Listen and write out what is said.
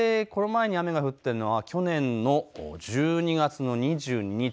東京でこの前に雨が降ったのは去年の１２月の２２日。